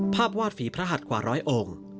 ภาพวาดฝีพระหัสกว่าร้อยองค์